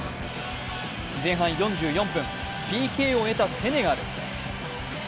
前半４４分、ＰＫを得たセネガル。